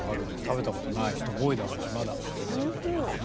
食べた事ない人も多いだろうしまだ。